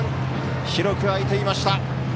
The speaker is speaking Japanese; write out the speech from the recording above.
広く開いていました。